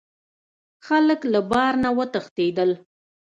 خلک له بار نه وتښتیدل.